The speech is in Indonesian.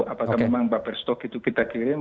apakah memang buffer stok itu kita kirim